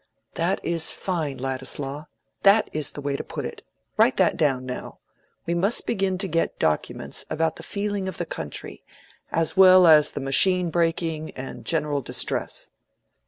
"That is fine, Ladislaw: that is the way to put it. Write that down, now. We must begin to get documents about the feeling of the country, as well as the machine breaking and general distress."